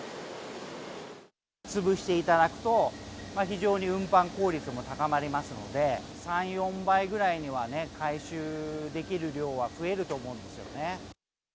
潰していただくと、非常に運搬効率も高まりますので、３、４倍ぐらいにはね、回収できる量は増えると思うんですよね。